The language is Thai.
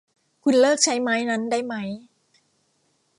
คุณเลิกใช้ไม้นั้นได้มั้ย !